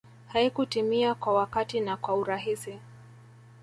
haikutimia kwa wakati na kwa urahisi